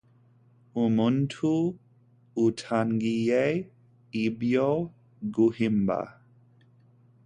Umuntu utangiye ibyo guhimba